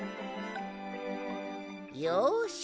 よし！